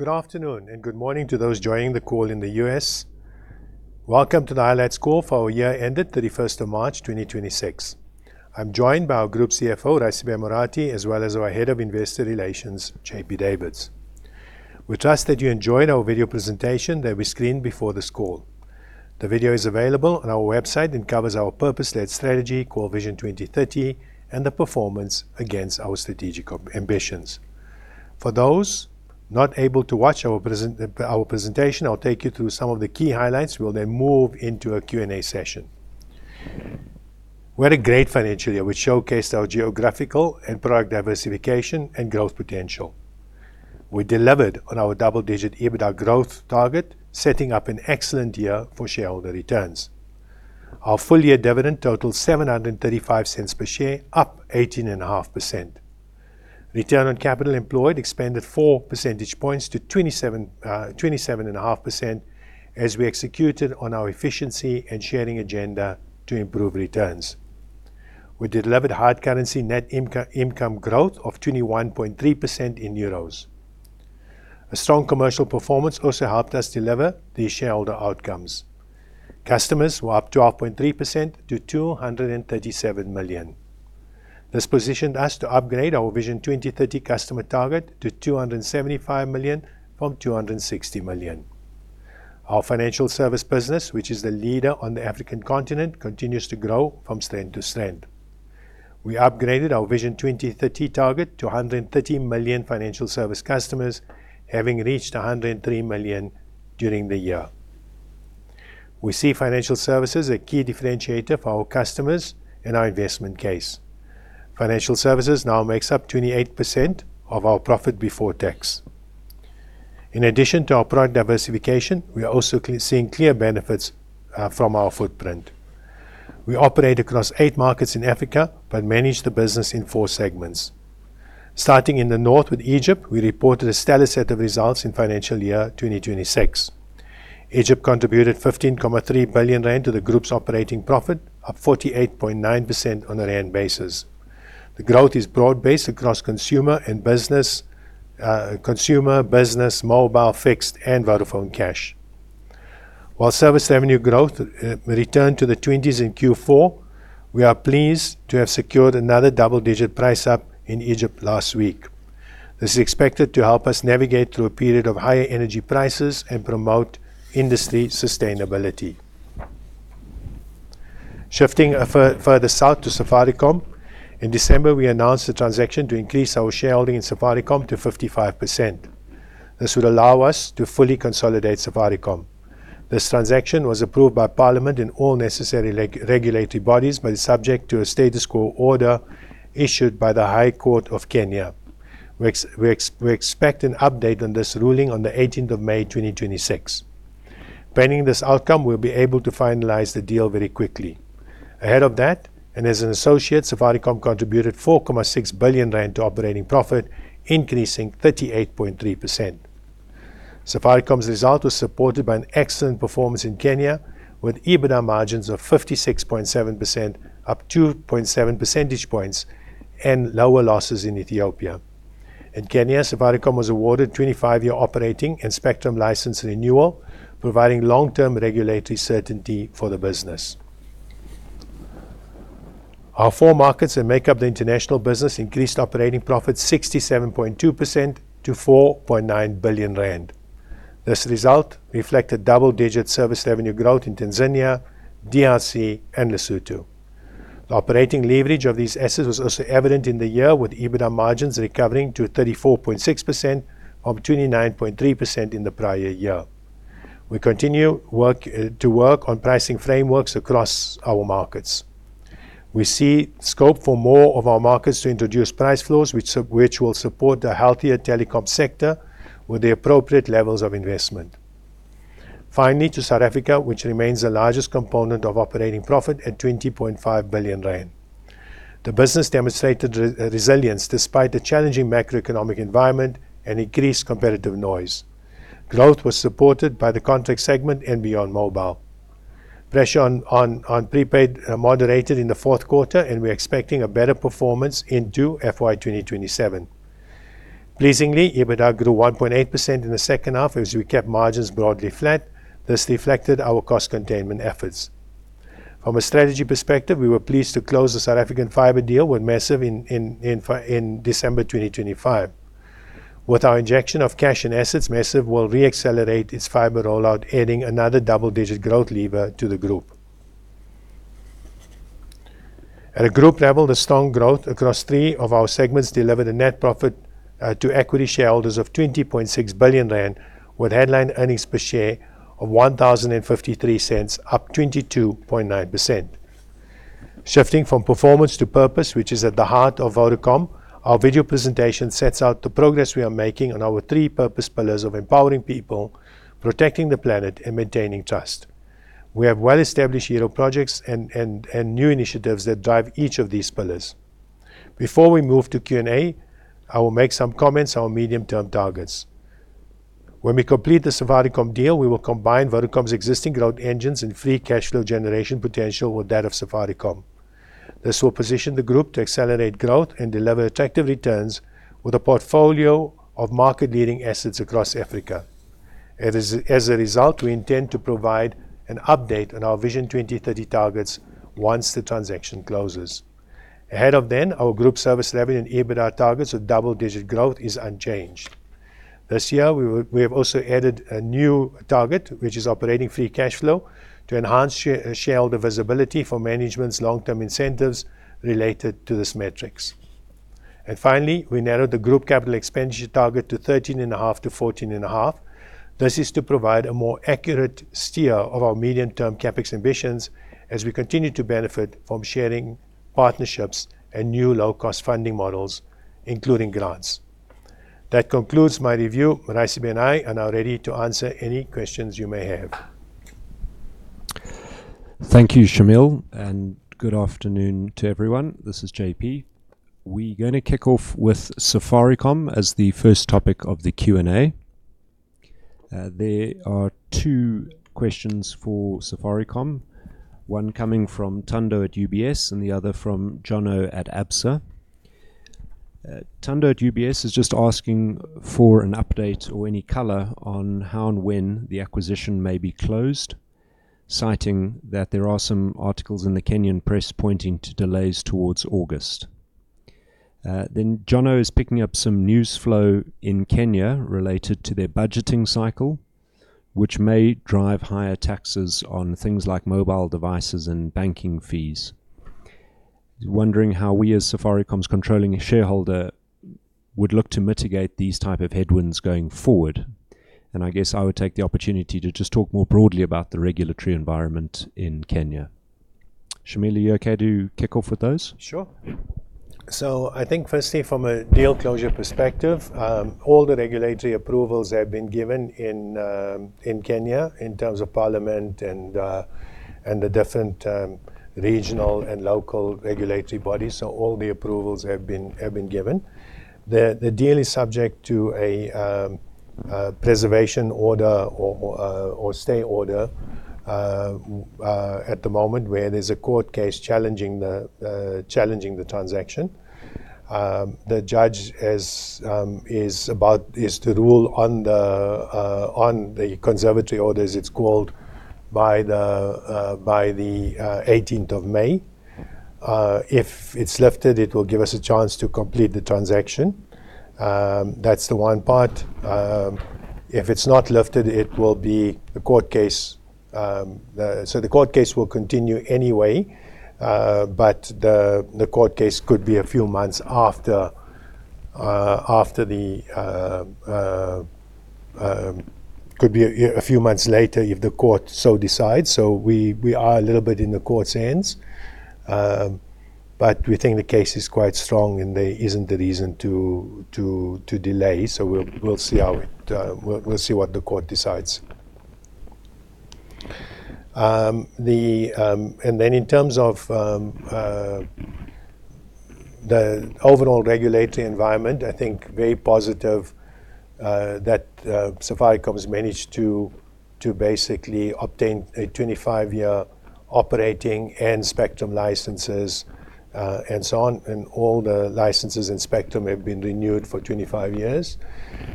Good afternoon and good morning to those joining the call in the U.S. Welcome to the highlights call for our year ended 31st of March 2026. I'm joined by our Group CFO, Raisibe Morathi, as well as our Head of Investor Relations, JP Davids. We trust that you enjoyed our video presentation that we screened before this call. The video is available on our website and covers our purpose-led strategy called Vision 2030 and the performance against our strategic ambitions. For those not able to watch our presentation, I'll take you through some of the key highlights. We'll then move into a Q&A session. We had a great financial year which showcased our geographical and product diversification and growth potential. We delivered on our double-digit EBITDA growth target, setting up an excellent year for shareholder returns. Our full-year dividend totaled 7.35 per share, up 18.5%. Return on capital employed expanded 4 percentage points to 27.5% as we executed on our efficiency and sharing agenda to improve returns. We delivered hard currency net income growth of 21.3% in euros. A strong commercial performance also helped us deliver these shareholder outcomes. Customers were up 12.3% to 237 million. This positioned us to upgrade our Vision 2030 customer target to 275 million from 260 million. Our financial service business, which is the leader on the African continent, continues to grow from strength to strength. We upgraded our Vision 2030 target to 130 million financial service customers, having reached 103 million during the year. We see financial services a key differentiator for our customers and our investment case. Financial services now makes up 28% of our profit before tax. In addition to our product diversification, we are also seeing clear benefits from our footprint. We operate across eight markets in Africa, but manage the business in four segments. Starting in the north with Egypt, we reported a stellar set of results in financial year 2026. Egypt contributed 15.3 billion rand to the group's operating profit, up 48.9% on a rand basis. The growth is broad-based across consumer, business, mobile, fixed, and Vodafone Cash. While service revenue growth returned to the 20s in Q4, we are pleased to have secured another double-digit price up in Egypt last week. This is expected to help us navigate through a period of higher energy prices and promote industry sustainability. Shifting further south to Safaricom. In December, we announced the transaction to increase our shareholding in Safaricom to 55%. This would allow us to fully consolidate Safaricom. This transaction was approved by parliament and all necessary regulatory bodies, but is subject to a status quo order issued by the High Court of Kenya. We expect an update on this ruling on the 18th of May 2026. Pending this outcome, we'll be able to finalize the deal very quickly. Ahead of that, and as an associate, Safaricom contributed 4.6 billion rand to operating profit, increasing 38.3%. Safaricom's result was supported by an excellent performance in Kenya with EBITDA margins of 56.7%, up 2.7 percentage points and lower losses in Ethiopia. In Kenya, Safaricom was awarded 25-year operating and spectrum license renewal, providing long-term regulatory certainty for the business. Our four markets that make up the international business increased operating profits 67.2% to 4.9 billion rand. This result reflected double-digit service revenue growth in Tanzania, DRC, and Lesotho. The operating leverage of these assets was also evident in the year with EBITDA margins recovering to 34.6% of 29.3% in the prior year. We continue to work on pricing frameworks across our markets. We see scope for more of our markets to introduce price floors which will support a healthier telecom sector with the appropriate levels of investment. Finally, to South Africa, which remains the largest component of operating profit at 20.5 billion rand. The business demonstrated resilience despite the challenging macroeconomic environment and increased competitive noise. Growth was supported by the contract segment and beyond mobile. Pressure on prepaid moderated in the fourth quarter. We're expecting a better performance into FY 2027. Pleasingly, EBITDA grew 1.8% in the second half as we kept margins broadly flat. This reflected our cost containment efforts. From a strategy perspective, we were pleased to close the South African fiber deal with Maziv in December 2025. With our injection of cash and assets, Maziv will re-accelerate its fiber rollout, adding another double-digit growth lever to the group. At a group level, the strong growth across three of our segments delivered a net profit to equity shareholders of 20.6 billion rand with headline earnings per share of 10.53, up 22.9%. Shifting from performance to purpose, which is at the heart of Vodacom, our video presentation sets out the progress we are making on our three purpose pillars of empowering people, protecting the planet, and maintaining trust. We have well-established hero projects and new initiatives that drive each of these pillars. Before we move to Q&A, I will make some comments on medium-term targets. When we complete the Safaricom deal, we will combine Vodacom's existing growth engines and free cash flow generation potential with that of Safaricom. This will position the group to accelerate growth and deliver attractive returns with a portfolio of market-leading assets across Africa. As a result, we intend to provide an update on our Vision 2030 targets once the transaction closes. Ahead of then, our group service level and EBITDA targets with double-digit growth is unchanged. This year, we have also added a new target, which is operating free cash flow, to enhance shareholder visibility for management's long-term incentives related to this metrics. Finally, we narrowed the group capital expenditure target to 13.5%-14.5%. This is to provide a more accurate steer of our medium-term CapEx ambitions as we continue to benefit from sharing partnerships and new low-cost funding models, including grants. That concludes my review. Raisibe and I are now ready to answer any questions you may have. Thank you, Shameel, and good afternoon to everyone. This is JP. We're gonna kick off with Safaricom as the first topic of the Q&A. There are two questions for Safaricom, one coming from Tendo at UBS and the other from Jono at Absa. Tendo at UBS is just asking for an update or any color on how and when the acquisition may be closed, citing that there are some articles in the Kenyan press pointing to delays towards August. Jono is picking up some news flow in Kenya related to their budgeting cycle, which may drive higher taxes on things like mobile devices and banking fees. He's wondering how we, as Safaricom's controlling shareholder, would look to mitigate these type of headwinds going forward. I guess I would take the opportunity to just talk more broadly about the regulatory environment in Kenya. Shameel, are you okay to kick off with those? Sure. I think firstly from a deal closure perspective, all the regulatory approvals have been given in Kenya in terms of parliament and the different regional and local regulatory bodies. All the approvals have been given. The deal is subject to a preservation order or stay order at the moment, where there's a court case challenging the transaction. The judge is to rule on the conservatory orders, it's called, by the 18th of May. If it's lifted, it will give us a chance to complete the transaction. That's the one part. If it's not lifted, it will be the court case. The court case will continue anyway, but the court case could be a few months later if the court so decides. We are a little bit in the court's hands. We think the case is quite strong, and there isn't a reason to delay. We'll see what the court decides. In terms of the overall regulatory environment, I think very positive that Safaricom has managed to basically obtain a 25-year operating and spectrum licenses and so on, and all the licenses and spectrum have been renewed for 25 years.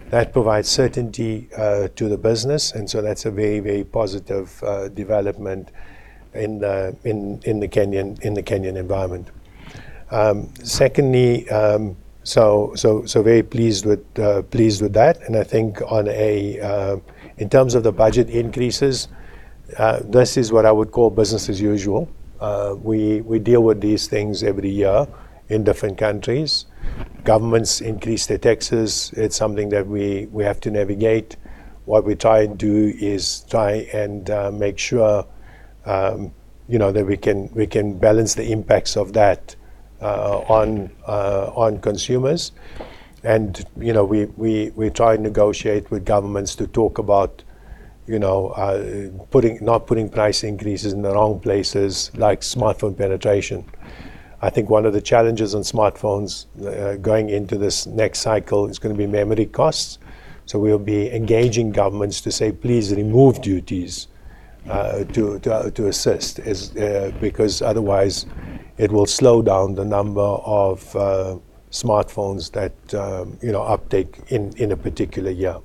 That provides certainty to the business. That's a very positive development in the Kenyan environment. Secondly, very pleased with that. I think in terms of the budget increases, this is what I would call business as usual. We deal with these things every year in different countries. Governments increase their taxes. It's something that we have to navigate. What we try and do is try and make sure, you know, that we can balance the impacts of that on consumers. You know, we try and negotiate with governments to talk about, you know, not putting price increases in the wrong places like smartphone penetration. I think one of the challenges on smartphones, going into this next cycle is going to be memory costs. We will be engaging governments to say, "Please remove duties," to assist, because otherwise it will slow down the number of smartphones that, you know, uptake in a particular year.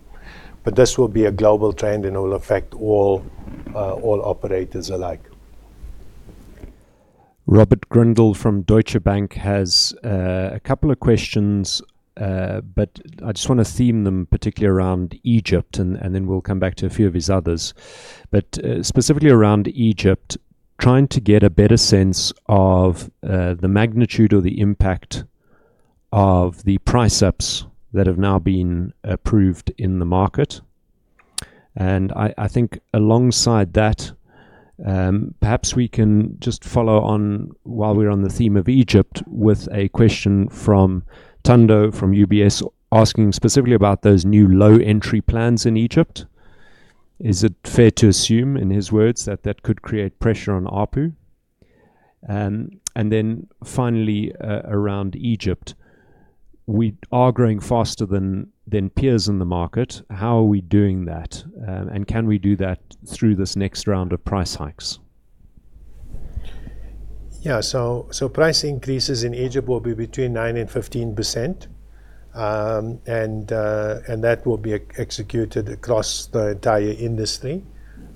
This will be a global trend, and it will affect all operators alike. Robert Grindle from Deutsche Bank has a couple of questions, but I just want to theme them particularly around Egypt, then we'll come back to a few of his others. Specifically around Egypt, trying to get a better sense of the magnitude or the impact of the price ups that have now been approved in the market. I think alongside that, perhaps we can just follow on while we're on the theme of Egypt with a question from Tendo from UBS asking specifically about those new low entry plans in Egypt. Is it fair to assume, in his words, that that could create pressure on ARPU? Finally, around Egypt. We are growing faster than peers in the market. How are we doing that? Can we do that through this next round of price hikes? Price increases in Egypt will be between 9%-15%. That will be executed across the entire industry.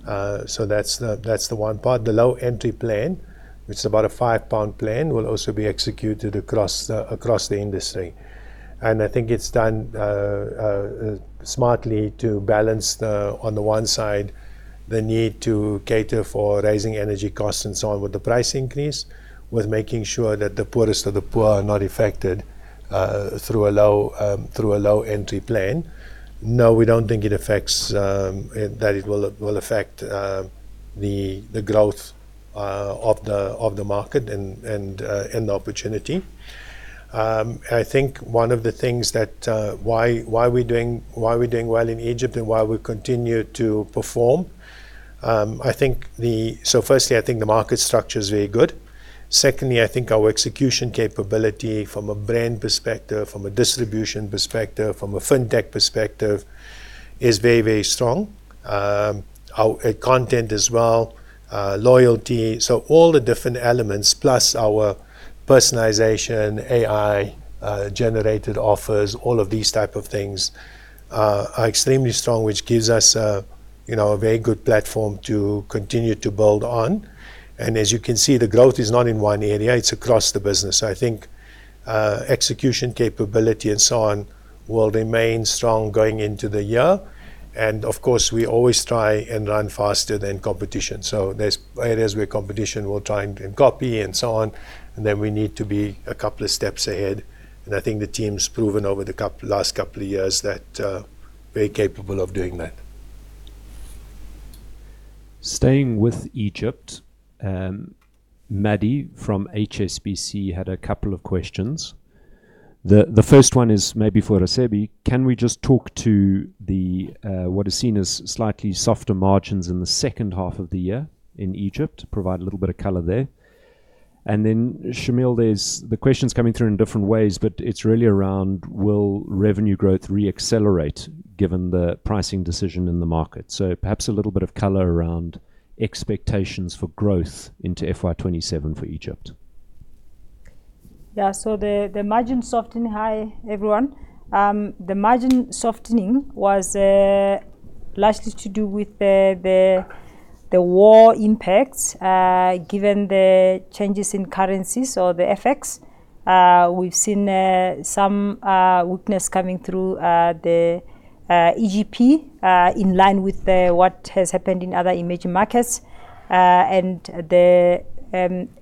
That's the one part. The low entry plan, which is about a 5 pound plan, will also be executed across the industry. I think it's done smartly to balance the, on the one side, the need to cater for rising energy costs and so on with the price increase, with making sure that the poorest of the poor are not affected through a low entry plan. We don't think it affects that it will affect the growth of the market and the opportunity. I think one of the things that why we're doing well in Egypt and why we continue to perform, firstly, I think the market structure is very good. Secondly, I think our execution capability from a brand perspective, from a distribution perspective, from a fintech perspective is very, very strong. Our content as well, loyalty. All the different elements plus our personalization, AI generated offers, all of these type of things are extremely strong, which gives us a, you know, a very good platform to continue to build on. As you can see, the growth is not in one area, it's across the business. I think execution capability and so on will remain strong going into the year. Of course, we always try and run faster than competition. There's areas where competition will try and copy and so on, and then we need to be a couple of steps ahead. I think the team's proven over the last couple of years that very capable of doing that. Staying with Egypt, Maddy from HSBC had a couple of questions. The first one is maybe for Raisibe. Can we just talk to the what is seen as slightly softer margins in the second half of the year in Egypt? Provide a little bit of color there. Shameel, there's the questions coming through in different ways, but it's really around will revenue growth re-accelerate given the pricing decision in the market? Perhaps a little bit of color around expectations for growth into FY 2027 for Egypt. Hi, everyone. The margin softening was largely to do with the war impacts, given the changes in currencies or the FX. We've seen some weakness coming through the EGP in line with what has happened in other emerging markets. The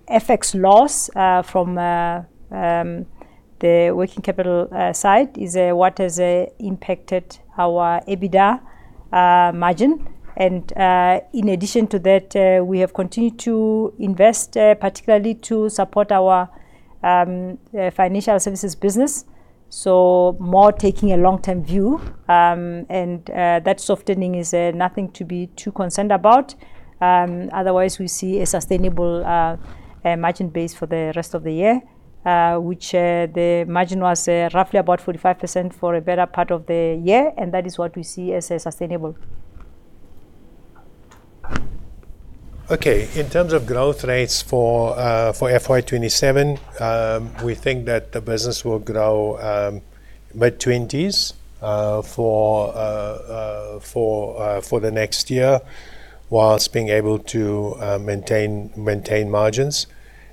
FX loss from the working capital side is what has impacted our EBITDA margin. In addition to that, we have continued to invest particularly to support our financial services business. More taking a long-term view. That softening is nothing to be too concerned about. Otherwise, we see a sustainable margin base for the rest of the year, which the margin was roughly about 45% for a better part of the year, and that is what we see as sustainable. Okay. In terms of growth rates for FY 2027, we think that the business will grow mid-20s for the next year, whilst being able to maintain margins.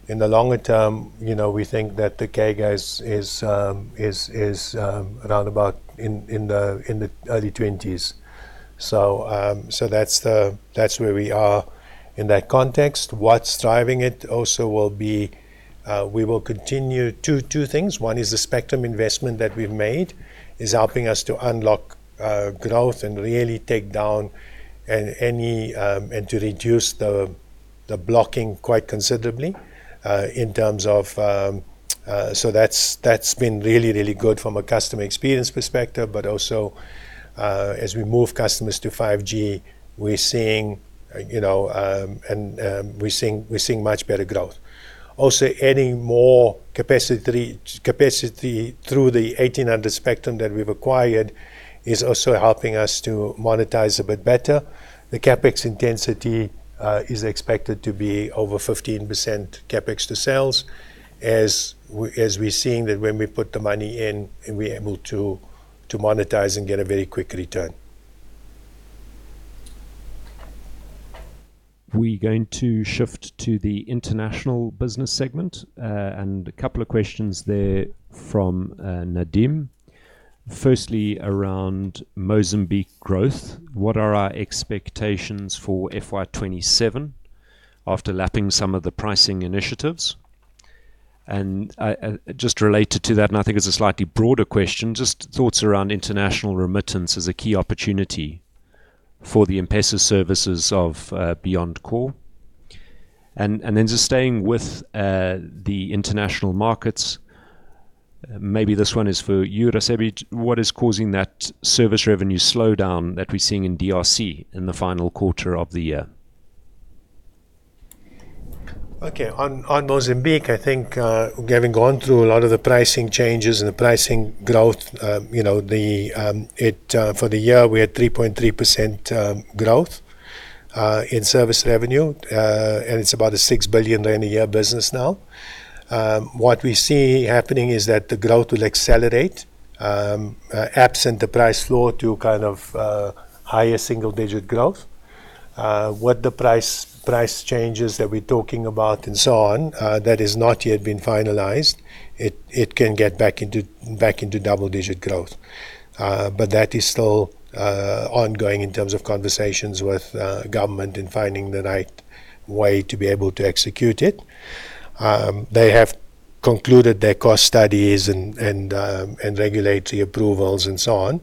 In the longer term, you know, we think that the CAGR is around about in the early 20s. That's where we are in that context. What's driving it also will be, we will continue two things. One is the spectrum investment that we've made is helping us to unlock growth and really take down any and to reduce the blocking quite considerably. That's been really good from a customer experience perspective. Also, as we move customers to 5G, we're seeing, you know, much better growth. Also, adding more capacity through the 1,800 spectrum that we've acquired is also helping us to monetize a bit better. The CapEx intensity is expected to be over 15% CapEx to sales as we're seeing that when we put the money in, and we're able to monetize and get a very quick return. We're going to shift to the international business segment, and a couple of questions there from Nadim. Firstly, around Mozambique growth, what are our expectations for FY 2027 after lapping some of the pricing initiatives? Related to that, and I think it's a slightly broader question, just thoughts around international remittance as a key opportunity for the M-PESA services of Beyond Core. Then just staying with the international markets, maybe this one is for you Raisibe. What is causing that service revenue slowdown that we're seeing in DRC in the final quarter of the year? Okay. On Mozambique, I think, having gone through a lot of the pricing changes and the pricing growth, for the year, we had 3.3% growth in service revenue. It's about a 6 billion rand a year business now. What we see happening is that the growth will accelerate, absent the price floor to kind of higher single-digit growth. What the price changes that we're talking about and so on, that has not yet been finalized, it can get back into double-digit growth. That is still ongoing in terms of conversations with government and finding the right way to be able to execute it. They have concluded their cost studies and regulatory approvals and so on.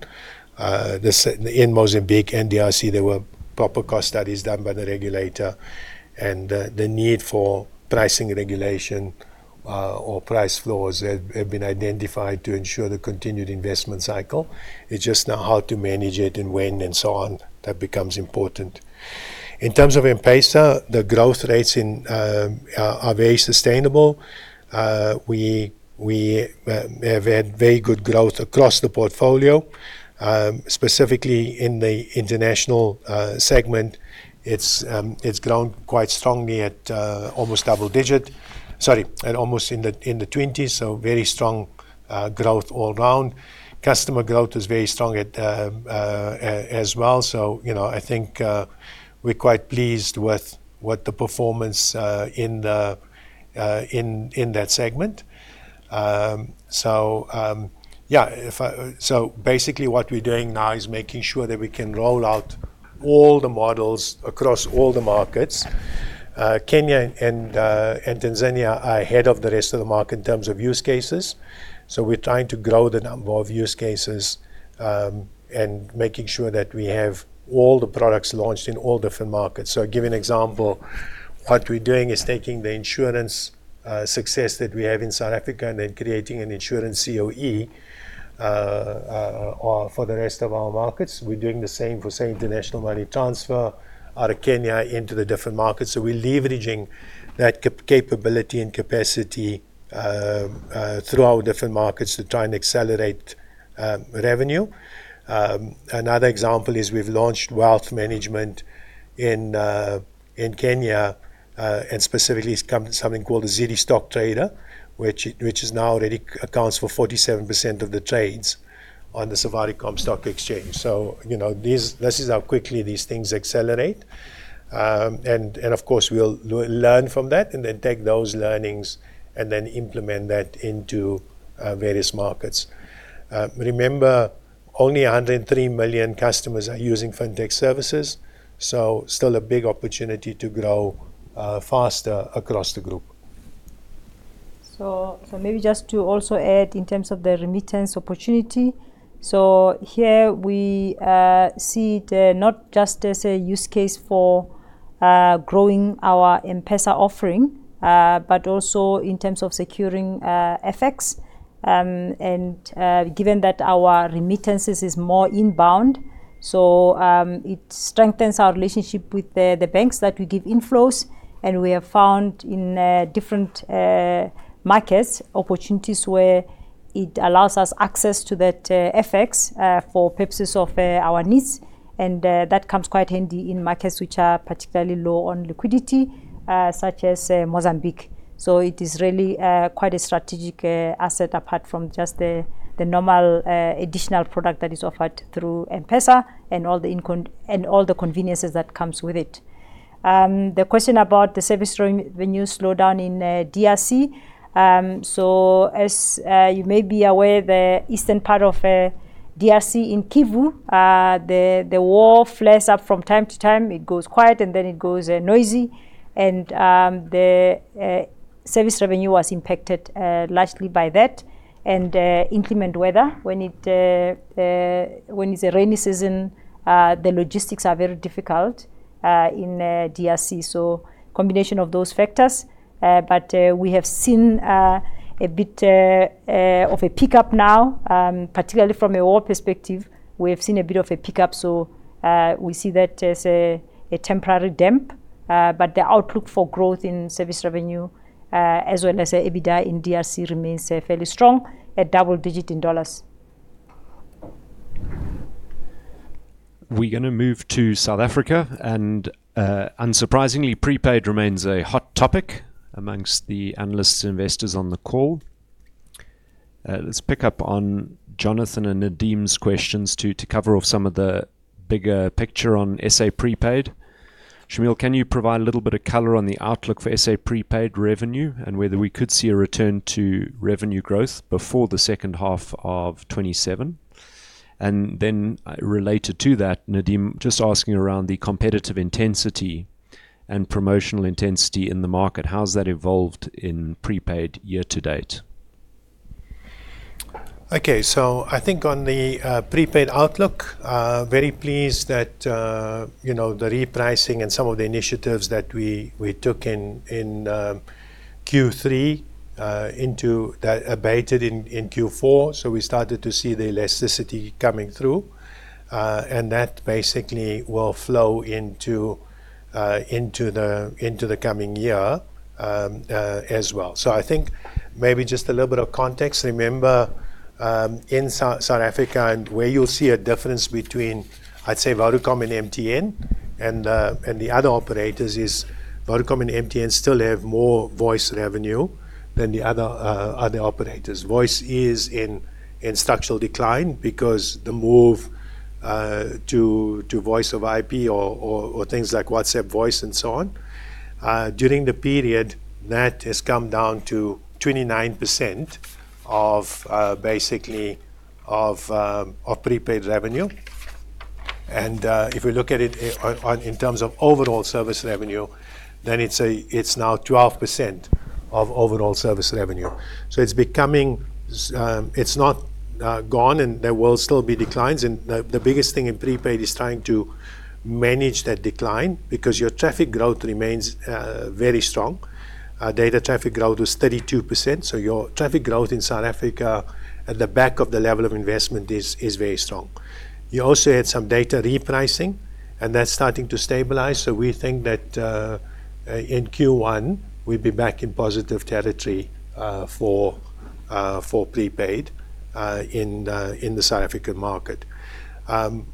In Mozambique and DRC, there were proper cost studies done by the regulator, and the need for pricing regulation or price floors have been identified to ensure the continued investment cycle. It's just now how to manage it and when and so on that becomes important. In terms of M-PESA, the growth rates are very sustainable. We have had very good growth across the portfolio. Specifically in the international segment, it's grown quite strongly at almost double digit. Sorry, at almost in the 20s, so very strong growth all round. Customer growth is very strong as well. You know, I think we're quite pleased with what the performance in that segment. Basically what we're doing now is making sure that we can roll out all the models across all the markets. Kenya and Tanzania are ahead of the rest of the market in terms of use cases, so we're trying to grow the number of use cases and making sure that we have all the products launched in all different markets. Give you an example. What we're doing is taking the insurance success that we have in South Africa and then creating an insurance COE for the rest of our markets. We're doing the same for, say, international money transfer out of Kenya into the different markets. We're leveraging that capability and capacity through our different markets to try and accelerate revenue. Another example is we've launched wealth management in Kenya and specifically something called the Ziidi Trader, which is now already accounts for 47% of the trades on the Nairobi Securities Exchange. You know, this is how quickly these things accelerate. Of course, we'll learn from that and then take those learnings and then implement that into various markets. Remember, only 103 million customers are using Fintech services, so still a big opportunity to grow faster across the group. Maybe just to also add in terms of the remittance opportunity. Here we see the, not just as a use case for growing our M-PESA offering, but also in terms of securing FX. Given that our remittances is more inbound, it strengthens our relationship with the banks that we give inflows. We have found in different markets, opportunities where it allows us access to that FX for purposes of our needs. That comes quite handy in markets which are particularly low on liquidity, such as Mozambique. It is really quite a strategic asset apart from just the normal additional product that is offered through M-PESA and all the conveniences that comes with it. The question about the service revenue slowdown in DRC. As you may be aware, the eastern part of DRC in Kivu, the war flares up from time to time. It goes quiet, then it goes noisy. The service revenue was impacted largely by that. Inclement weather. When it's a rainy season, the logistics are very difficult in DRC. Combination of those factors. We have seen a bit of a pickup now, particularly from a war perspective. We have seen a bit of a pickup, we see that as a temporary damp. The outlook for growth in service revenue, as well as EBITDA in DRC remains fairly strong at double digit in dollars. We're gonna move to South Africa. Unsurprisingly, prepaid remains a hot topic amongst the analysts and investors on the call. Let's pick up on Jonathan and Nadim's questions to cover off some of the bigger picture on S.A. prepaid. Shameel, can you provide a little bit of color on the outlook for S.A. prepaid revenue and whether we could see a return to revenue growth before the second half of 2027? Then related to that, Nadim, just asking around the competitive intensity and promotional intensity in the market. How's that evolved in prepaid year to date? Okay. I think on the prepaid outlook, very pleased that, you know, the repricing and some of the initiatives that we took in Q3 abated in Q4, so we started to see the elasticity coming through. That basically will flow into the coming year as well. I think maybe just a little bit of context. Remember, in South Africa and where you'll see a difference between, I'd say, Vodacom and MTN and the other operators is Vodacom and MTN still have more voice revenue than the other operators. Voice is in structural decline because the move to Voice over IP or things like WhatsApp Voice and so on. During the period, that has come down to 29% of basically of prepaid revenue. If we look at it in terms of overall service revenue, it's now 12% of overall service revenue. It's becoming It's not gone, and there will still be declines. The biggest thing in prepaid is trying to manage that decline because your traffic growth remains very strong. Data traffic growth was 32%, your traffic growth in South Africa at the back of the level of investment is very strong. You also had some data repricing, and that's starting to stabilize, we think that in Q1, we'll be back in positive territory for prepaid in the South African market.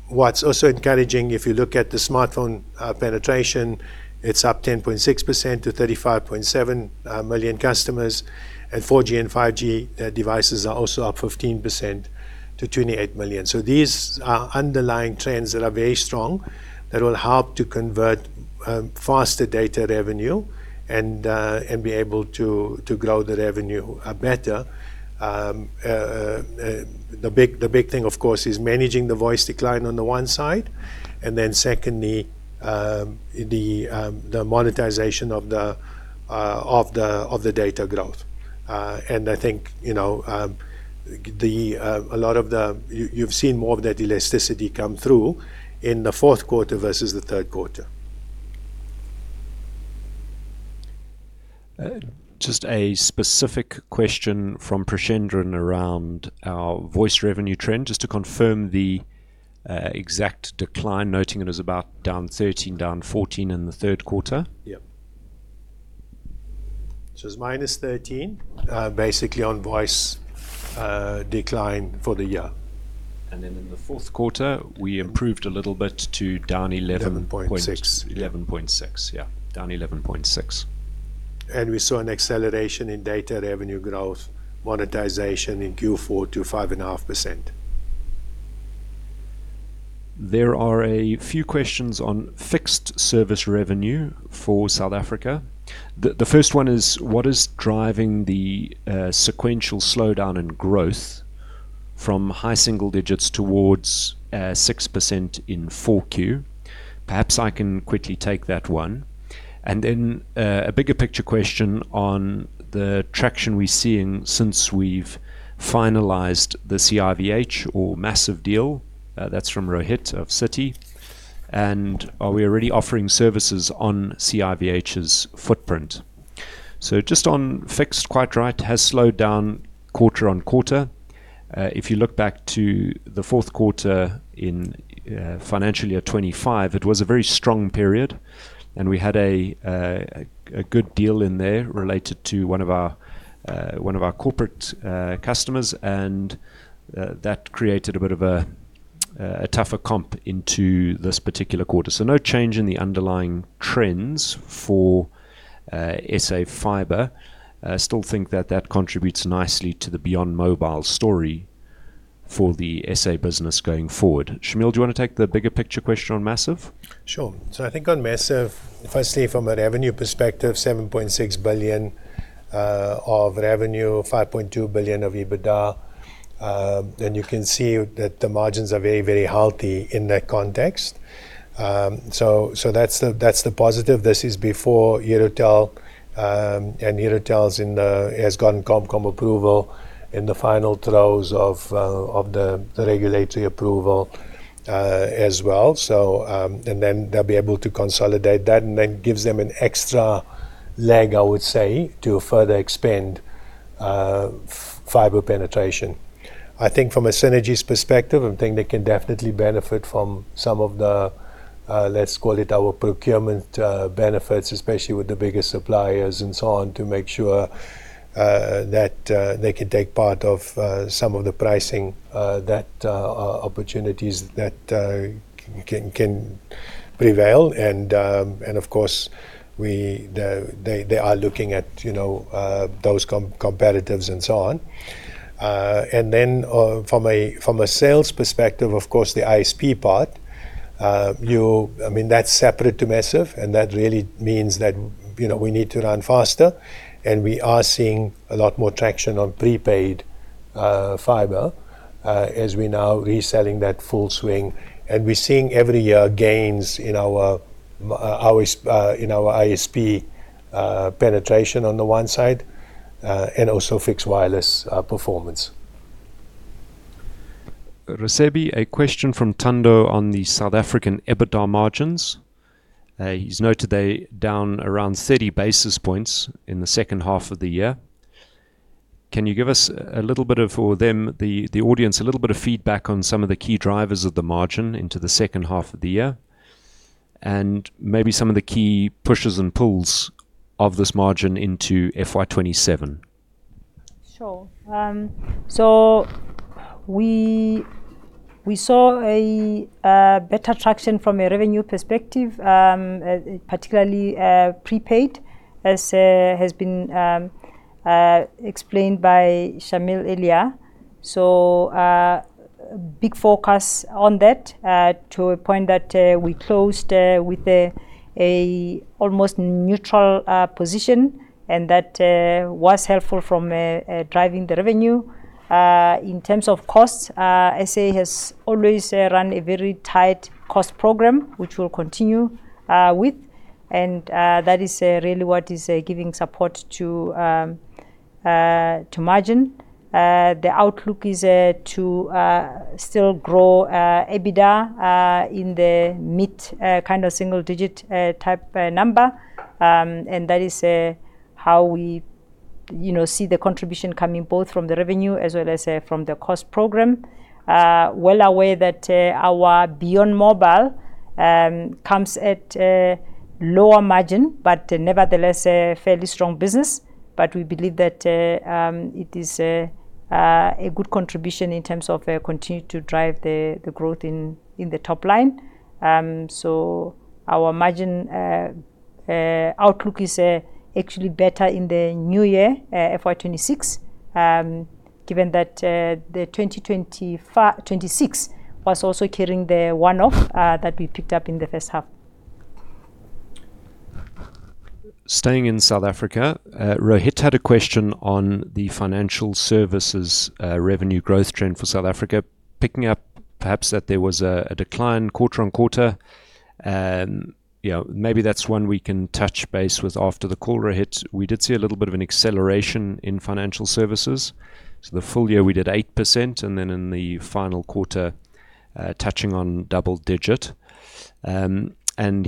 What's also encouraging, if you look at the smartphone penetration, it's up 10.6% to 35.7 million customers. 4G and 5G devices are also up 15% to 28 million. These are underlying trends that are very strong that will help to convert faster data revenue and be able to grow the revenue better. The big thing, of course, is managing the voice decline on the one side and then secondly, the monetization of the data growth. I think, you know, you've seen more of that elasticity come through in the fourth quarter versus the third quarter. Just a specific question from Preshendran around our voice revenue trend. Just to confirm the exact decline, noting it was about down 13%, down 14% in the third quarter. Yeah. It's -13%, basically on voice decline for the year. Then in the fourth quarter, we improved a little bit to down 11.6%. 11.6%. 11.6%. Yeah, down 11.6%. We saw an acceleration in data revenue growth monetization in Q4 to 5.5%. There are a few questions on fixed service revenue for South Africa. The first one is, what is driving the sequential slowdown in growth from high single digits towards 6% in 4Q? Perhaps I can quickly take that one. Then a bigger picture question on the traction we're seeing since we've finalized the CIVH or Maziv deal. That's from Rohit of Citi. Are we already offering services on CIVH's footprint? Just on fixed, quite right, has slowed down quarter-on-quarter. If you look back to the fourth quarter in financial year 2025, it was a very strong period, and we had a good deal in there related to one of our corporate customers, and that created a bit of a tougher comp into this particular quarter. No change in the underlying trends for S.A. fiber. Still think that that contributes nicely to the beyond mobile story for the S.A. business going forward. Shameel, do you wanna take the bigger picture question on Maziv? Sure. I think on Maziv, firstly, from a revenue perspective, 7.6 billion of revenue, 5.2 billion of EBITDA, then you can see that the margins are very, very healthy in that context. So that's the positive. This is before Herotel. Herotel's in the has gotten Competition Commission approval in the final throes of the regulatory approval as well. They'll be able to consolidate that, and that gives them an extra leg, I would say, to further expand fiber penetration. I think from a synergies perspective, I think they can definitely benefit from some of the, let's call it our procurement benefits, especially with the bigger suppliers and so on, to make sure that they can take part of some of the pricing opportunities that can prevail. Of course, they are looking at, you know, those competitives and so on. Then, from a sales perspective, of course, the ISP part, I mean, that's separate to Maziv, and that really means that, you know, we need to run faster, and we are seeing a lot more traction on prepaid fiber as we're now reselling that full swing. We're seeing every year gains in our ISP penetration on the one side, and also fixed wireless performance. Raisibe, a question from Tendo on the South African EBITDA margins. He's noted they're down around 30 basis points in the second half of the year. Can you give us, for them, the audience, a little bit of feedback on some of the key drivers of the margin into the second half of the year and maybe some of the key pushes and pulls of this margin into FY 2027? Sure. We, we saw a better traction from a revenue perspective, particularly prepaid, as has been explained by Shameel earlier. Big focus on that to a point that we closed with an almost neutral position, and that was helpful from driving the revenue. In terms of costs, S.A. has always run a very tight cost program, which we will continue with. That is really what is giving support to margin. The outlook is to still grow EBITDA in the mid kind of single digit type number. That is how we, you know, see the contribution coming both from the revenue as well as from the cost program. Well aware that our beyond mobile comes at a lower margin, but nevertheless a fairly strong business. We believe that it is a good contribution in terms of continue to drive the growth in the top line. Our margin outlook is actually better in the new year, FY 2026, given that the 2026 was also carrying the one-off that we picked up in the first half. Staying in South Africa, Rohit had a question on the financial services revenue growth trend for South Africa, picking up perhaps that there was a decline quarter-on-quarter. You know, maybe that's one we can touch base with after the call, Rohit. We did see a little bit of an acceleration in financial services. The full year we did 8%, and then in the final quarter, touching on double digit. He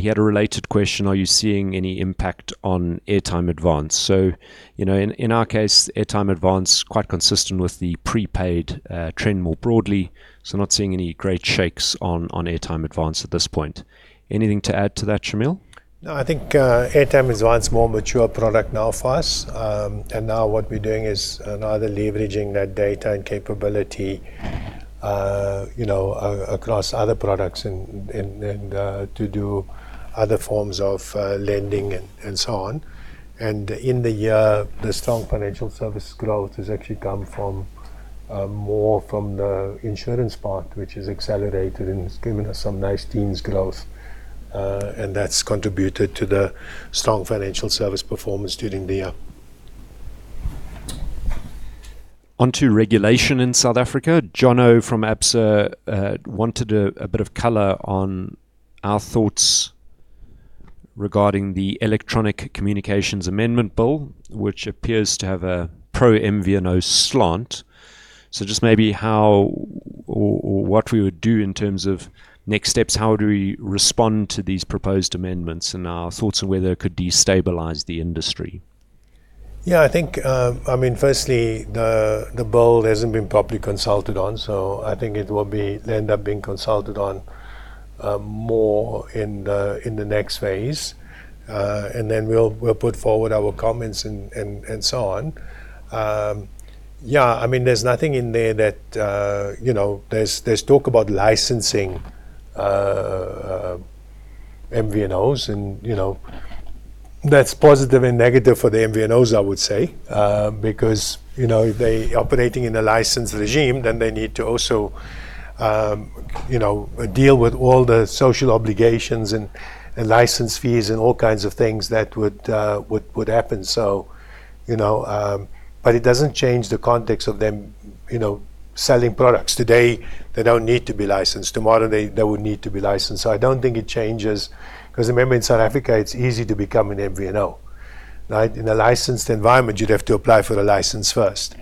had a related question, are you seeing any impact on airtime advance? You know, in our case, airtime advance quite consistent with the prepaid trend more broadly. Not seeing any great shakes on airtime advance at this point. Anything to add to that, Shameel? No, I think, airtime advance more mature product now for us. Now what we're doing is another leveraging that data and capability, you know, across other products and to do other forms of lending and so on. In the year, the strong financial service growth has actually come from more from the insurance part, which has accelerated, and it's given us some nice teens growth. That's contributed to the strong financial service performance during the year. Onto regulation in South Africa. Jono from Absa wanted a bit of color on our thoughts regarding the Electronic Communications Amendment Bill, which appears to have a pro-MVNO slant. Just maybe how or what we would do in terms of next steps? How do we respond to these proposed amendments? Our thoughts on whether it could destabilize the industry. Yeah, I think, firstly, the bill hasn't been properly consulted on, so I think it will end up being consulted on more in the next phase. Then we'll put forward our comments and so on. Yeah, there's nothing in there that, you know, there's talk about licensing MVNOs, and, you know, that's positive and negative for the MVNOs, I would say. Because, you know, if they operating in a licensed regime, then they need to also, you know, deal with all the social obligations and license fees and all kinds of things that would happen. You know, it doesn't change the context of them, you know, selling products. Today, they don't need to be licensed. Tomorrow, they would need to be licensed. I don't think it changes, 'cause remember in South Africa, it's easy to become an MVNO, right? In a licensed environment, you'd have to apply for a license first.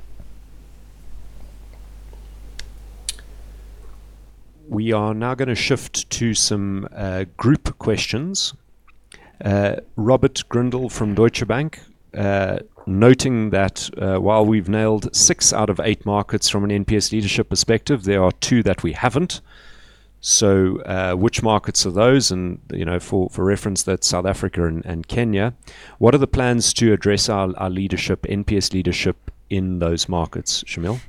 We are now gonna shift to some group questions. Robert Grindle from Deutsche Bank, noting that, while we've nailed six out of eight markets from an NPS leadership perspective, there are two that we haven't. Which markets are those? And, you know, for reference, that's South Africa and Kenya. What are the plans to address our leadership, NPS leadership in those markets, Shameel?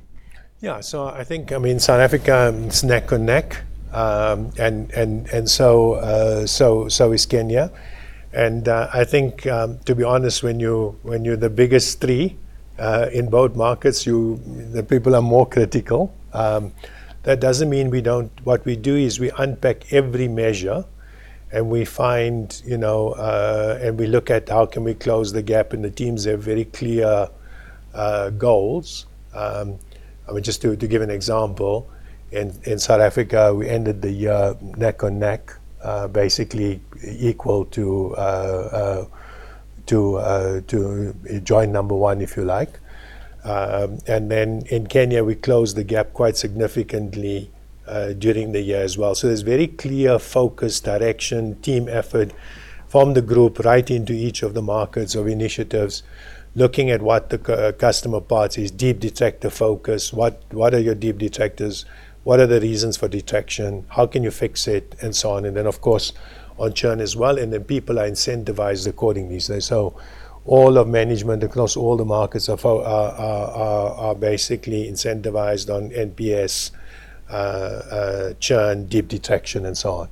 Yeah. I think, I mean, South Africa is neck and neck, and so is Kenya. I think, to be honest, when you're, when you're the biggest three in both markets, you, the people are more critical. What we do is we unpack every measure, and we find, you know, and we look at how can we close the gap, and the teams have very clear goals. I mean, just to give an example, in South Africa, we ended the year neck and neck, basically equal to to join number one, if you like. In Kenya, we closed the gap quite significantly during the year as well. There's very clear focus, direction, team effort from the group right into each of the markets or initiatives, looking at what the customer part is, deep detractor focus. What are your deep detractors? What are the reasons for detraction? How can you fix it, and so on. Of course, on churn as well, and the people are incentivized accordingly. All of management across all the markets are basically incentivized on NPS, churn, deep detraction, and so on.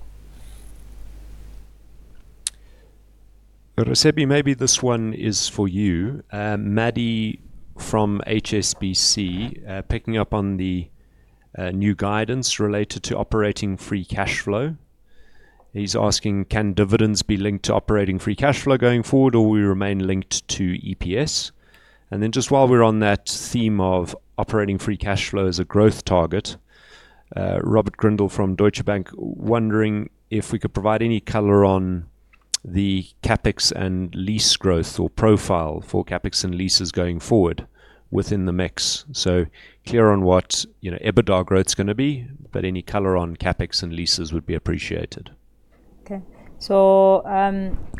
Raisibe, maybe this one is for you. Maddy from HSBC, picking up on the new guidance related to operating free cash flow. He's asking, "Can dividends be linked to operating free cash flow going forward, or will we remain linked to EPS?" Just while we're on that theme of operating free cash flow as a growth target, Robert Grindle from Deutsche Bank wondering if we could provide any color on the CapEx and lease growth or profile for CapEx and leases going forward within the mix. Clear on what, you know, EBITDA growth's gonna be, but any color on CapEx and leases would be appreciated.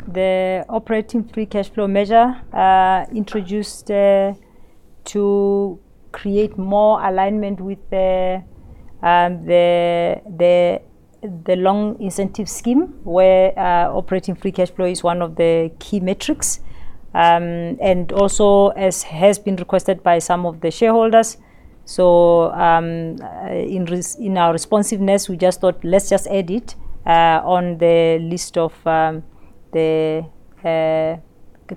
The operating free cash flow measure, introduced to create more alignment with the long incentive scheme, where operating free cash flow is one of the key metrics. Also as has been requested by some of the shareholders. In our responsiveness, we just thought let's just add it on the list of the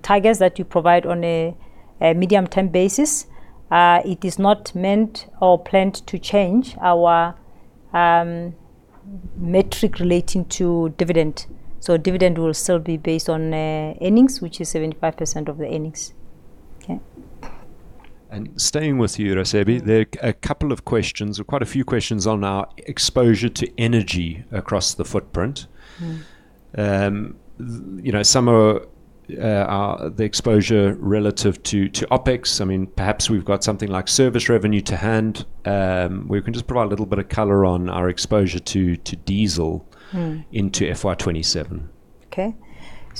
targets that you provide on a medium-term basis. It is not meant or planned to change our metric relating to dividend. Dividend will still be based on earnings, which is 75% of the earnings. Staying with you, Raisibe. There are a couple of questions, or quite a few questions on our exposure to energy across the footprint. You know, some are the exposure relative to OpEx. I mean, perhaps we've got something like service revenue to hand, where we can just provide a little bit of color on our exposure to diesel into FY 2027. Okay.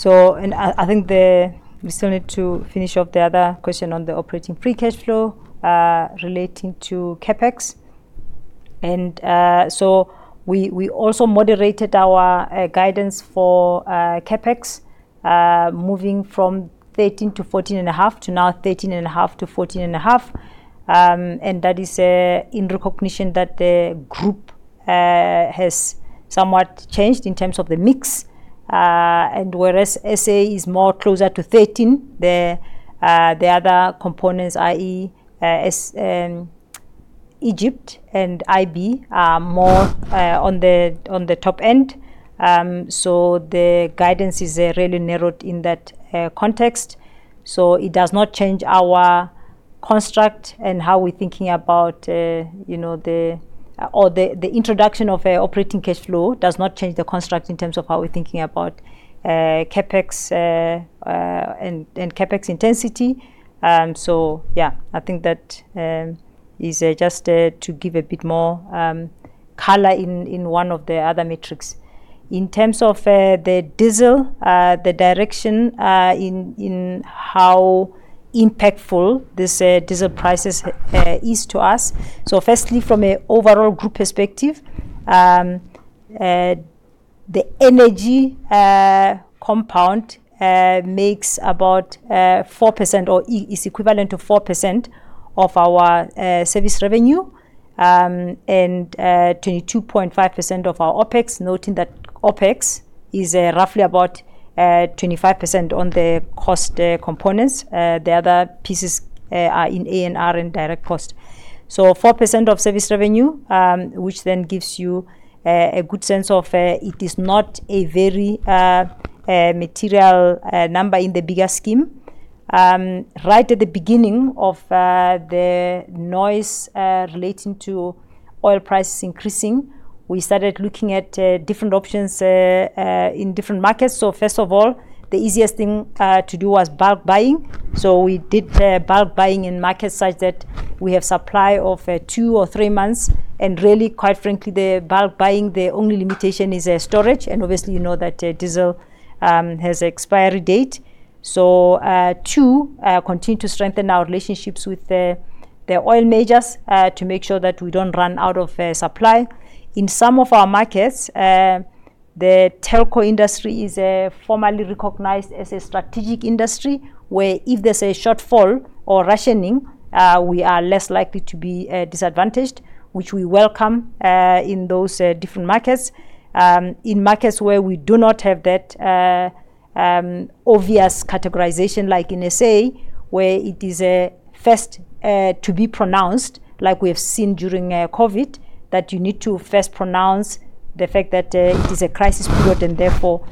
I think the We still need to finish up the other question on the operating free cash flow, relating to CapEx. We also moderated our guidance for CapEx, moving from 13%-14.5% to now 13.5%-14.5%. That is in recognition that the group has somewhat changed in terms of the mix. Whereas S.A. is more closer to 13%, the other components, i.e., S.A., Egypt and IB, are more on the top end. The guidance is really narrowed in that context. It does not change our construct and how we're thinking about, you know, the introduction of a operating cash flow does not change the construct in terms of how we're thinking about CapEx, and CapEx intensity. Yeah, I think that is just to give a bit more color in one of the other metrics. In terms of the diesel, the direction in how impactful this diesel price is to us. Firstly, from a overall group perspective, the energy compound makes about 4%, or is equivalent to 4% of our service revenue, and 22.5% of our OpEx, noting that OpEx is roughly about 25% on the cost components. The other pieces are in A&R and direct cost. 4% of service revenue, which then gives you a good sense of, it is not a very material number in the bigger scheme. Right at the beginning of the noise relating to oil prices increasing, we started looking at different options in different markets. First of all, the easiest thing to do was bulk buying. We did bulk buying in markets such that we have supply of two or three months. And really, quite frankly, the bulk buying, the only limitation is storage. And obviously, you know that diesel has expiry date. To continue to strengthen our relationships with the oil majors, to make sure that we don't run out of supply. In some of our markets, the telco industry is formally recognized as a strategic industry, where if there's a shortfall or rationing, we are less likely to be disadvantaged, which we welcome in those different markets. In markets where we do not have that obvious categorization, like in S.A., where it is first to be pronounced, like we have seen during COVID, that you need to first pronounce the fact that it is a crisis period and therefore,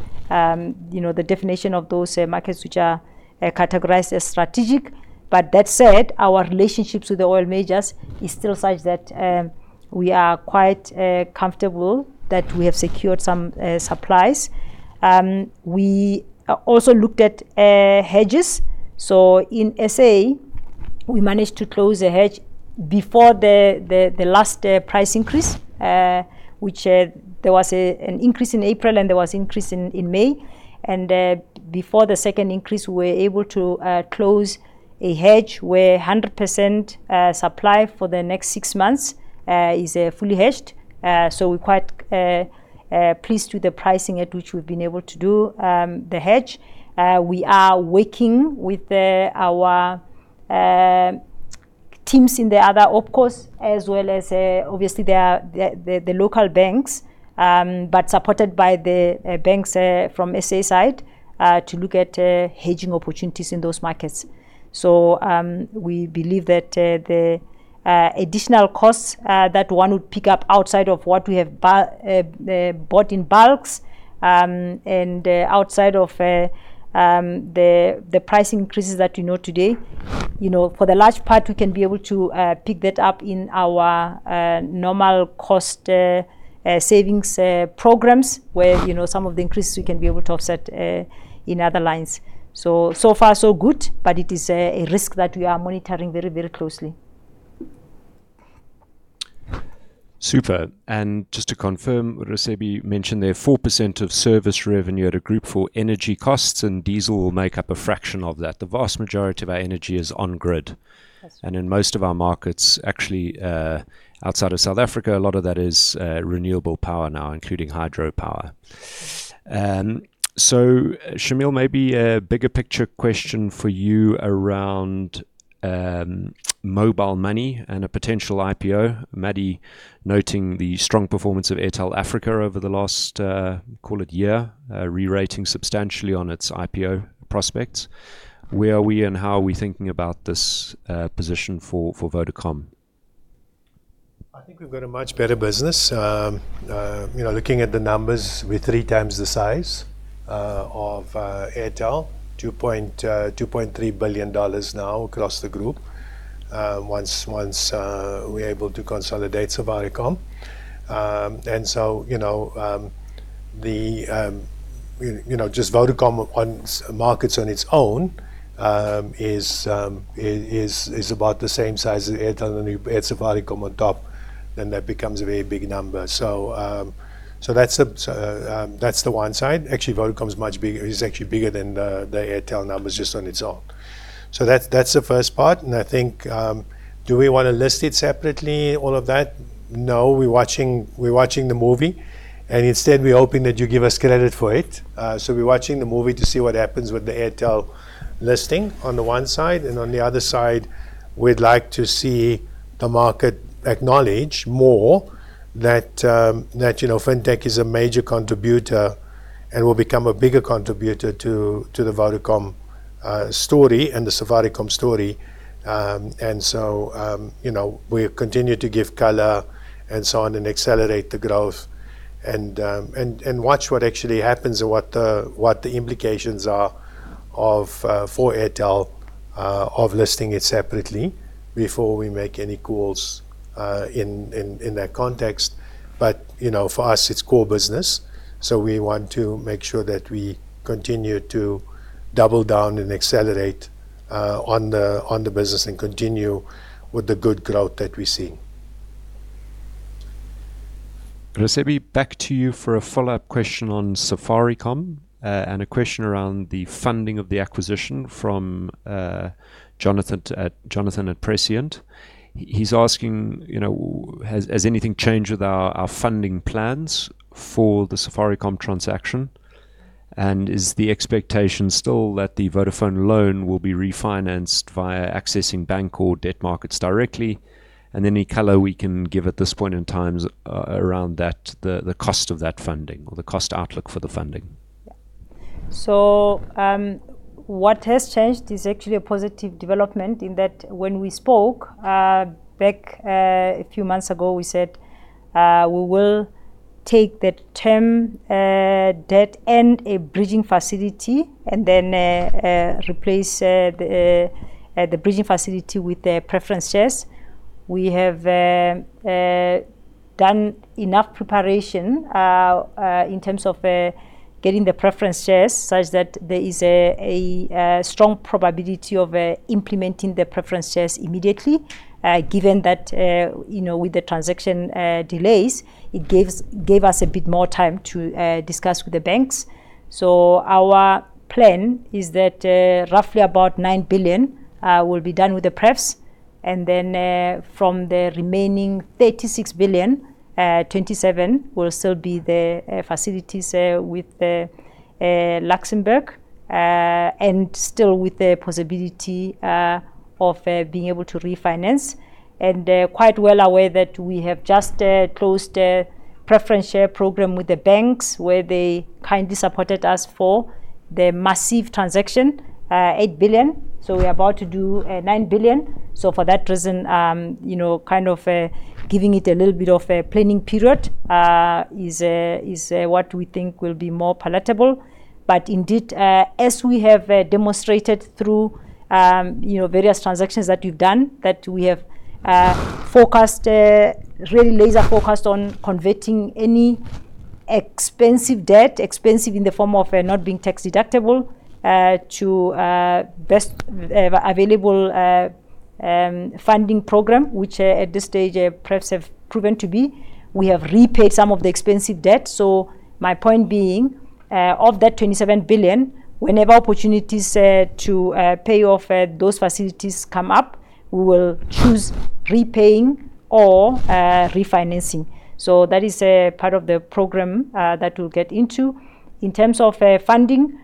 you know, the definition of those markets which are categorized as strategic. That said, our relationships with the oil majors is still such that we are quite comfortable that we have secured some supplies. We also looked at hedges. In S.A., we managed to close a hedge before the last price increase. Which there was an increase in April and there was increase in May. Before the second increase, we were able to close a hedge where 100% supply for the next six months is fully hedged. We're quite pleased with the pricing at which we've been able to do the hedge. We are working with our teams in the other OpCos as well as obviously the local banks. Supported by the banks from S.A. side to look at hedging opportunities in those markets. We believe that the additional costs that one would pick up outside of what we have bought in bulks, and outside of the price increases that you know today. You know, for the large part we can be able to pick that up in our normal cost savings programs, where, you know, some of the increases we can be able to offset in other lines. So far so good, but it is a risk that we are monitoring very, very closely. Super. Just to confirm, Raisibe mentioned there 4% of service revenue at a group for energy costs and diesel will make up a fraction of that. The vast majority of our energy is on grid. In most of our markets, actually, outside of South Africa, a lot of that is renewable power now, including hydropower. Shameel, maybe a bigger picture question for you around mobile money and a potential IPO. Maddy noting the strong performance of Airtel Africa over the last, call it year, rerating substantially on its IPO prospects. Where are we and how are we thinking about this position for Vodacom? I think we've got a much better business. You know, looking at the numbers, we're three times the size of Airtel. $2.3 billion now across the group once we're able to consolidate Safaricom. You know, the, you know, just Vodacom markets on its own is about the same size as Airtel. When you add Safaricom on top, then that becomes a very big number. That's the one side. Actually, Vodacom's much bigger. It's actually bigger than the Airtel numbers just on its own. That's the first part, and I think, do we wanna list it separately, all of that? No. We're watching the movie, and instead we're hoping that you give us credit for it. We're watching the movie to see what happens with the Airtel listing on the one side. On the other side, we'd like to see the market acknowledge more that, you know, Fintech is a major contributor and will become a bigger contributor to the Vodacom story and the Safaricom story. You know, we continue to give color and so on and accelerate the growth and watch what actually happens and what the implications are of for Airtel of listing it separately before we make any calls in that context. You know, for us it's core business, so we want to make sure that we continue to double down and accelerate on the business and continue with the good growth that we're seeing. Raisibe, back to you for a follow-up question on Safaricom, and a question around the funding of the acquisition from Jonathan at Prescient. He's asking, you know, has anything changed with our funding plans for the Safaricom transaction? Is the expectation still that the Vodacom loan will be refinanced via accessing bank or debt markets directly? Any color we can give at this point in time around the cost of that funding or the cost outlook for the funding? Yeah. What has changed is actually a positive development in that when we spoke back a few months ago, we said we will take the term debt and a bridging facility and then replace the bridging facility with the preference shares. We have done enough preparation in terms of getting the preference shares such that there is a strong probability of implementing the preference shares immediately. Given that, you know, with the transaction delays, it gave us a bit more time to discuss with the banks. Our plan is that roughly about 9 billion will be done with the prefs. From the remaining 36 billion, 27 billion will still be the facilities with the Luxembourg. Still with the possibility of being able to refinance. Quite well aware that we have just closed a preference share program with the banks where they kindly supported us for the massive transaction, 8 billion. We're about to do 9 billion. For that reason, you know, kind of giving it a little bit of a planning period is what we think will be more palatable. Indeed, as we have demonstrated through, you know, various transactions that we've done, that we have focused, really laser focused. Expensive debt, expensive in the form of not being tax-deductible, to best available funding program, which at this stage perhaps have proven to be. We have repaid some of the expensive debt. My point being, of that 27 billion, whenever opportunities to pay off those facilities come up, we will choose repaying or refinancing. That is a part of the program that we'll get into. In terms of funding,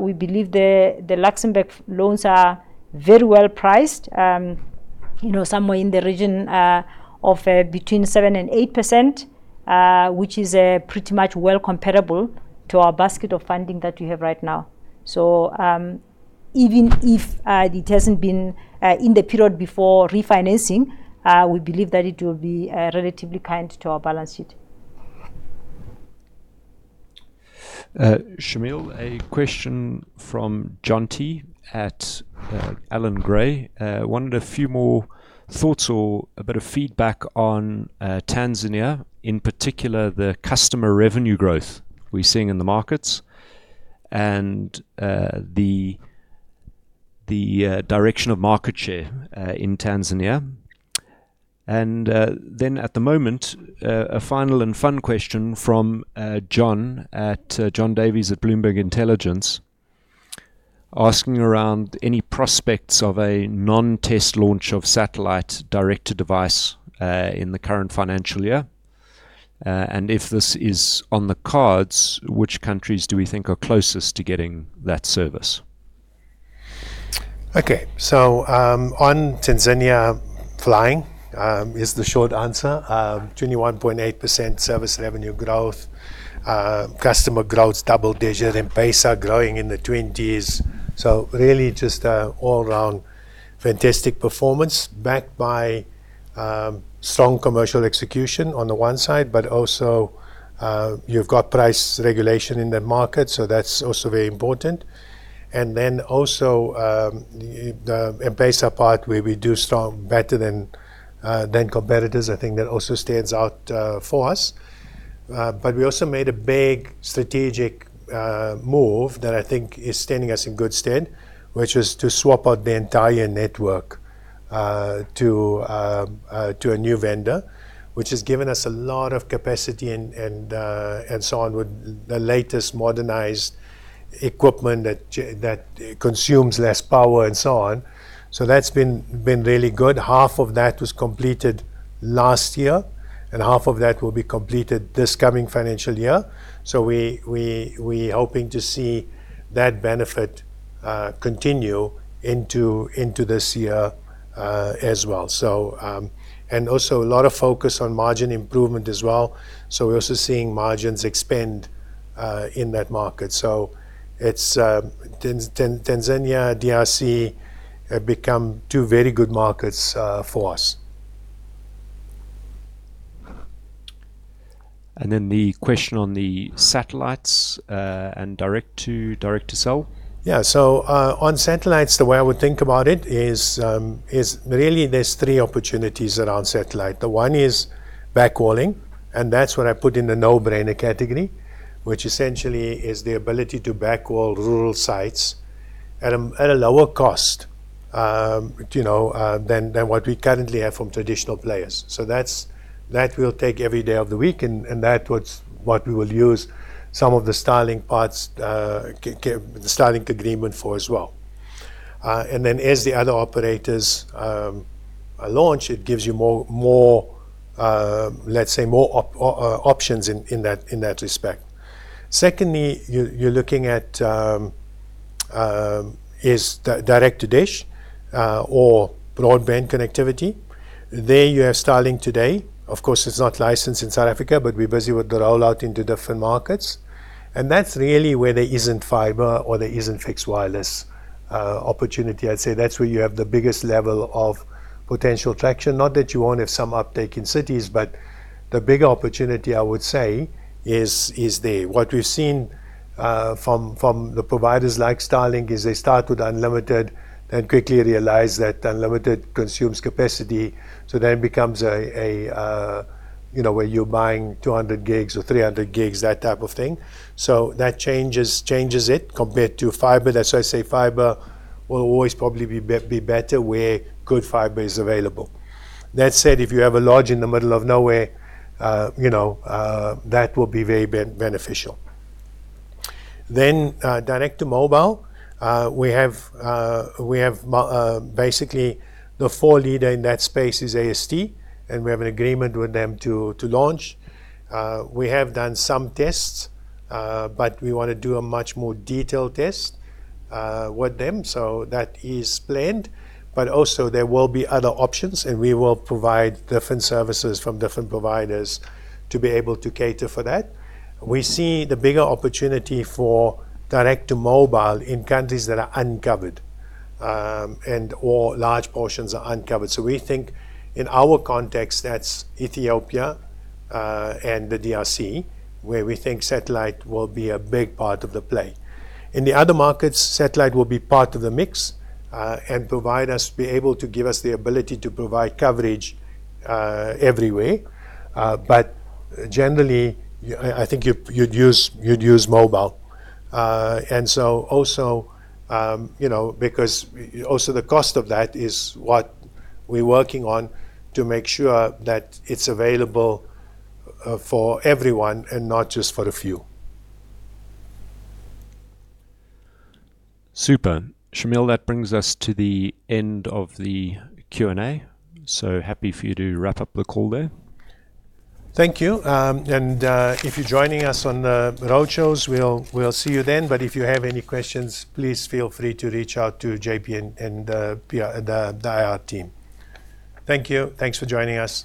we believe the Luxembourg loans are very well priced, you know, somewhere in the region of between 7% and 8%, which is pretty much well comparable to our basket of funding that we have right now. Even if it hasn't been in the period before refinancing, we believe that it will be relatively kind to our balance sheet. Shameel, a question from John T. at Allan Gray. wondered a few more thoughts or a bit of feedback on Tanzania, in particular, the customer revenue growth we're seeing in the markets and the direction of market share in Tanzania. Then at the moment, a final and fun question from John at John Davies at Bloomberg Intelligence asking around any prospects of a non-test launch of satellite direct-to-device in the current financial year. If this is on the cards, which countries do we think are closest to getting that service? On Tanzania, flying is the short answer. 21.8% service revenue growth. Customer growth double-digit. M-PESA growing in the 20s. Really just all-round fantastic performance backed by strong commercial execution on the one side, but also, you've got price regulation in the market, that's also very important. Also, the M-PESA part where we do strong, better than competitors, I think that also stands out for us. We also made a big strategic move that I think is standing us in good stead, which is to swap out the entire network to a new vendor, which has given us a lot of capacity and so on with the latest modernized equipment that consumes less power and so on. That's been really good. Half of that was completed last year, and half of that will be completed this coming financial year. We hoping to see that benefit continue into this year as well. And also a lot of focus on margin improvement as well. We're also seeing margins expand in that market. Tanzania, DRC have become two very good markets for us. Then the question on the satellites, and direct-to-cell. On satellites, the way I would think about it is really there's three opportunities around satellite. The one is backhauling, and that's what I put in the no-brainer category, which essentially is the ability to backhaul rural sites at a lower cost, you know, than what we currently have from traditional players. That we'll take every day of the week, and that's what we will use some of the Starlink parts, the Starlink agreement for as well. As the other operators launch, it gives you more, let's say more options in that respect. Secondly, you're looking at is direct-to-dish or broadband connectivity. There you have Starlink today. Of course, it's not licensed in South Africa, but we're busy with the rollout into different markets, and that's really where there isn't fiber or there isn't fixed wireless opportunity. I'd say that's where you have the biggest level of potential traction. Not that you won't have some uptake in cities, but the bigger opportunity, I would say, is there. What we've seen from the providers like Starlink is they start with unlimited, then quickly realize that unlimited consumes capacity, then becomes, you know, where you're buying 200 GB or 300 GB, that type of thing. That changes it compared to fiber. That's why I say fiber will always probably be better where good fiber is available. That said, if you have a lodge in the middle of nowhere, you know, that will be very beneficial. Direct-to-mobile, we have basically the four leader in that space is AST, and we have an agreement with them to launch. We have done some tests, but we wanna do a much more detailed test with them, that is planned. Also there will be other options, and we will provide different services from different providers to be able to cater for that. We see the bigger opportunity for direct-to-mobile in countries that are uncovered, and/or large portions are uncovered. We think in our context that's Ethiopia, and the DRC, where we think satellite will be a big part of the play. In the other markets, satellite will be part of the mix and be able to give us the ability to provide coverage everywhere. Generally, I think you'd use mobile. Also, you know, because also the cost of that is what we're working on to make sure that it's available for everyone and not just for a few. Super. Shameel, that brings us to the end of the Q&A, so happy for you to wrap up the call there. Thank you. If you're joining us on the roadshows, we'll see you then. If you have any questions, please feel free to reach out to JP and the IR team. Thank you. Thanks for joining us.